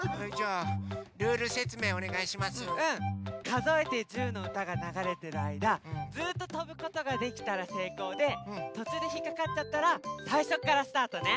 「かぞえて１０」のうたがながれてるあいだずっととぶことができたらせいこうでとちゅうでひっかかっちゃったらさいしょからスタートね！